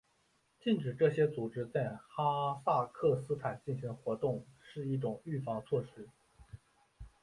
禁止这些组织在哈萨克斯坦进行活动是一种预防措施。